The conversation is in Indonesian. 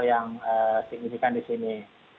yang signifikan di sini